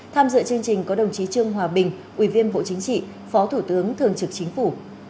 tham dự chương trình có đồng chí trương hòa bình ủy viên bộ chính trị phó thủ tướng thường trực chính phủ